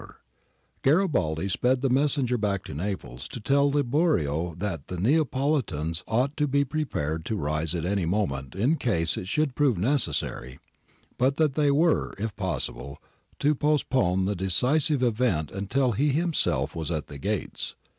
I50 GARIBALDI AND THE MAKING OF ITALY Garibaldi sped the messenger back to Naples to tell Liborio that the Neapolitans ought to be prepared to rise at any moment in case it should prove necessary, but that they were, if possible, to postpone the decisive event until he himself was at the gates.